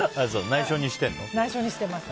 内緒にしてます。